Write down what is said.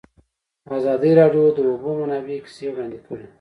ازادي راډیو د د اوبو منابع کیسې وړاندې کړي.